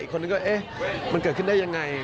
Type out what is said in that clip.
อีกคนนึงก็มันเกิดขึ้นได้อย่างไร